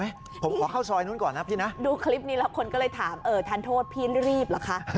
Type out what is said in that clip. มั้ยผมขอข้าวซอยตรงนั้นนะดูคลิปนี้คนก็เลยถามทันโทษพี่รีบนะคะ